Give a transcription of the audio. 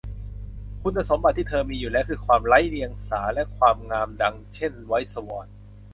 คุณสมบัติที่เธอมีอยู่แล้วคือความไร้เดียงสาและความงามดังเช่น ไวท์สวอน